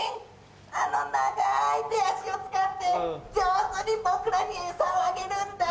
あの長い手足を使って上手に僕らに餌をあげるんだ！